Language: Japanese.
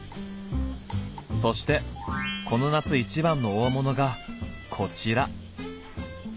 そしてこの夏いちばんの大物がこちら。